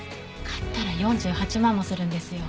買ったら４８万もするんですよ。